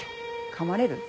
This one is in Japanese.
かまれる？